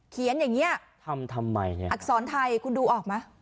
อย่างนี้ทำทำไมเนี่ยอักษรไทยคุณดูออกไหม